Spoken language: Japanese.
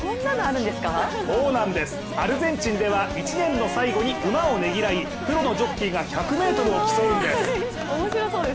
アルゼンチンでは１年の最後に馬をねぎらいプロのジョッキーが１００ｍを競うんです。